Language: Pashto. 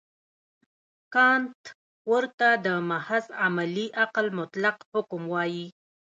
کانټ ورته د محض عملي عقل مطلق حکم وايي.